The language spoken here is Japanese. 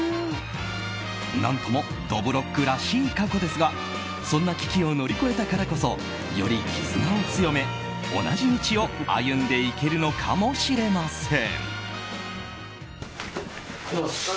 何とも、どぶろっくらしい過去ですがそんな危機を乗り越えたからこそより絆を強め同じ道を歩んでいけるのかもしれません。